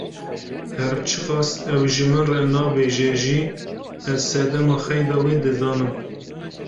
Her çi qas ew ji min re nabêje jî, ez sedema xeyda wî dizanim.